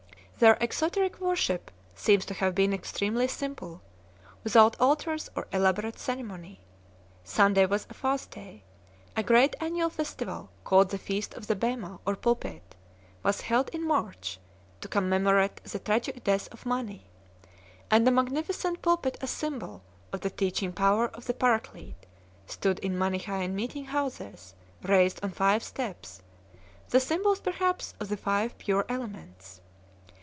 Their exoteric worship seems to have been extremely simple, without altars or elaborate ceremony ; Sunday was a fast day ; a great annual festival, called the Feast of the Bema or pulpit, was held in March to commemorate the tragic death of Mani ; and a magnificent pulpit, as symbol of the teaching power of the Paraclete, stood in Manichsean meeting houses, raised on five steps, the symbols perhaps of the five pure elements.